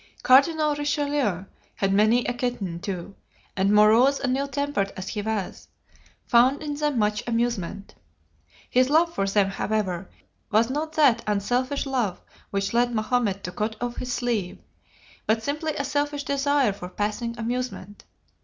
Cardinal Richelieu had many a kitten, too; and morose and ill tempered as he was, found in them much amusement. His love for them, however, was not that unselfish love which led Mahomet to cut off his sleeve; but simply a selfish desire for passing amusement.